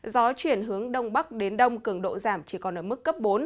gió chuyển hướng đông bắc đến đông cường độ giảm chỉ còn ở mức cấp bốn